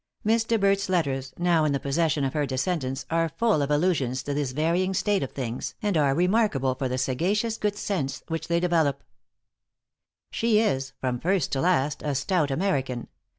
Miss De Berdt's letters, now in the possession of her descendants, are full of allusions to this varying state of things, and are remarkable for the sagacious good sense which they develope. She is, from first to last, a stout American.